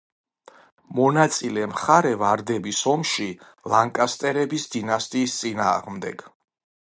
მონაწილე მხარე ვარდების ომში, ლანკასტერების დინასტიის წინააღმდეგ.